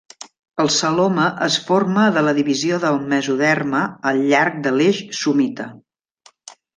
El celoma es forma de la divisió del mesoderma al llarg de l'eix somita.